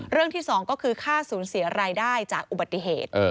ที่๒ก็คือค่าสูญเสียรายได้จากอุบัติเหตุ